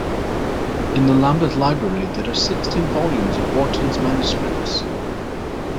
In the Lambeth Library there are sixteen volumes of Wharton's manuscripts.